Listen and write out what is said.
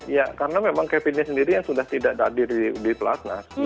ya karena memang kevinnya sendiri yang sudah tidak hadir di platnas